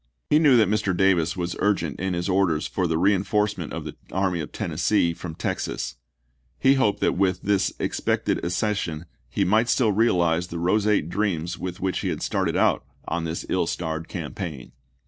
He knew that Mr. Davis was urgent in his orders for the reenforcement of the Army of Tennessee from Texas; he hoped that with this expected accession he might still realize the roseate dreams with which he had started out on this ill starred campaign.